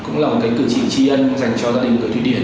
cũng là một cái cử chỉ tri ân dành cho gia đình ở thủy điển